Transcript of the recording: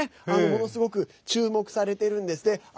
ものすごく注目されてるんです。